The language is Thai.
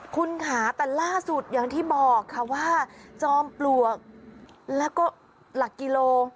คุณค่ะแต่ล่าสุดอย่างที่บอกค่ะว่าจอมปลวกแล้วก็หลักกิโล